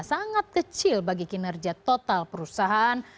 sangat kecil bagi kinerja total perusahaan